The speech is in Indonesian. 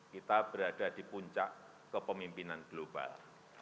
kita berada di puncak kepemimpinan global